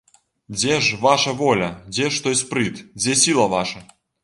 Дзе ж ваша воля, дзе ж той спрыт, дзе сіла ваша?